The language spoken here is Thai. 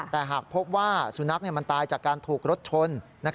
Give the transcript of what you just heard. แต่หากพบว่าสุนัขมันตายจากการถูกรถชน